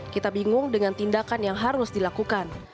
kita bingung dengan tindakan yang harus dilakukan